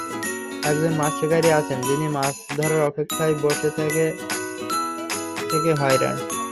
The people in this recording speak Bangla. একজন মাছ শিকারি আছেন, যিনি মাছ ধরার অপেক্ষায় বসে থেকে থেকে হয়রান।